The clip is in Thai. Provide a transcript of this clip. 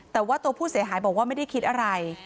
แต่ว่าตัวผู้เสียหายบอกว่าไม่ได้คิดอะไร